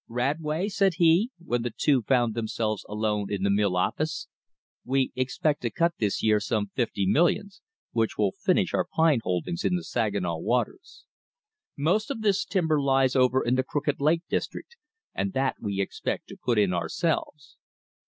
"Radway," said he, when the two found themselves alone in the mill office, "we expect to cut this year some fifty millions, which will finish our pine holdings in the Saginaw waters. Most of this timber lies over in the Crooked Lake district, and that we expect to put in ourselves.